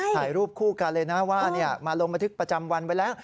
ถ่ายรูปคู่กันเลยนะว่ามาลงบันทึกประจำวันไว้แล้ว